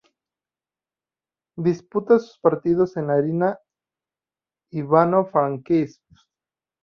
Disputa sus partidos en el Arena Ivano-Frankivsk.